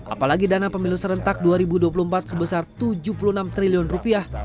apalagi dana pemilu serentak dua ribu dua puluh empat sebesar tujuh puluh enam triliun rupiah